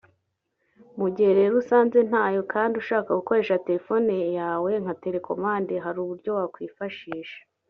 Mu gihe rero usanze ntayo kandi ushaka gukoresha telefone yawe nka télécommande hari uburyo wakwifashisha